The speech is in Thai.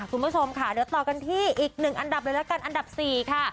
คุณผู้ชมค่ะเดี๋ยวต่อกันที่อีกหนึ่งอันดับเลยละกันอันดับ๔ค่ะ